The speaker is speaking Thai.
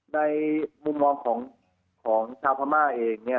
ในมุมมองของชาวพม่าเองเนี่ย